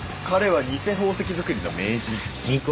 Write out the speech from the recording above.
彼は偽宝石作りの名人。